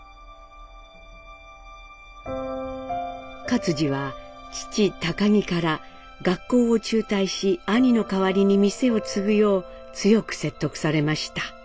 克爾は父儀から学校を中退し兄の代わりに店を継ぐよう強く説得されました。